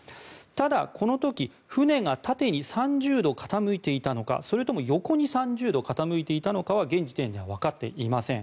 ただ、この時船が縦に３０度傾いていたのかそれとも横に３０度傾いていたのかは現時点ではわかっていません。